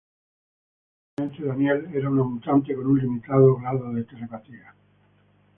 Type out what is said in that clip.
Anteriormente, Danielle era una mutante con un limitado grado de telepatía.